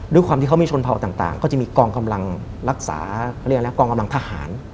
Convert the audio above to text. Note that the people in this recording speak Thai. ด้วยความที่เขามีชนเผาต่างก็จะมีกองกำลังรักษากล้องกำลังทหาร